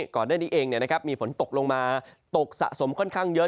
ก่อนหน้านี้เองมีฝนตกลงมาตกสะสมค่อนข้างเยอะ